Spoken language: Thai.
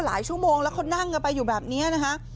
หลายชั่วโมงแล้วเขานั่งไปอยู่แบบนี้นะฮะ